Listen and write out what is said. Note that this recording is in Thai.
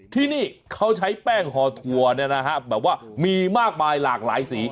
ที่นี่เขาใช้แป้งหอทัวร์เนี่ยนะฮะแบบว่ามีมากมายหลากหลายสี